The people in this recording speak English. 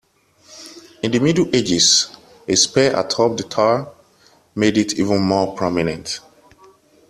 In the Middle Ages a spire atop the tower made it even more prominent.